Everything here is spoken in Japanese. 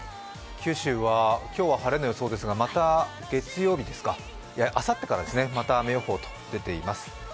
九州は今日は晴れの予想ですがまたあさってから雨予報が出ています。